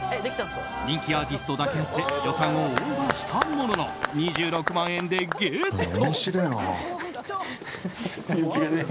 人気アーティストだけあって予算をオーバーしたものの２６万円でゲット。